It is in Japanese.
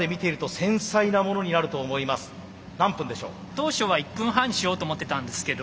当初は１分半にしようと思ってたんですけど